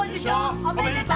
おめでとう。